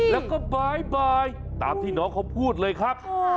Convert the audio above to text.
แล้วก็บ๊ายบายตามที่น้องเขาพูดเลยครับ